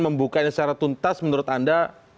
membukanya secara tuntas menurut anda